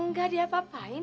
enggak dia apa apain